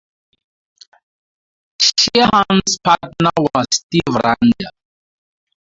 Sheahan's partner was Steve Randell.